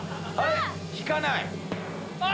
引かない。